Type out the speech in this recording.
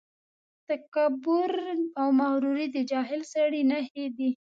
تکبر او مغروري د جاهل سړي نښې دي.